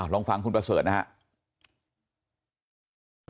ลองฟังคุณประเสริฐนะครับ